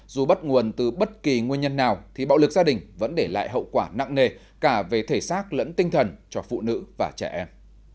dù bắt nguồn từ bất kỳ nguyên nhân nào thì bạo lực gia đình vẫn để lại hậu quả nặng nề cả về thể xác lẫn tinh thần cho phụ nữ và trẻ em